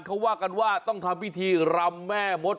เขาว่ากันว่าต้องทำพิธีรำแม่มด